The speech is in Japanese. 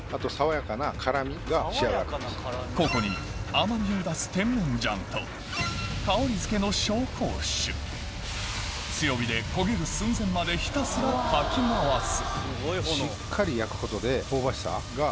ここに甘みを出す香りづけの強火で焦げる寸前までひたすらかき回す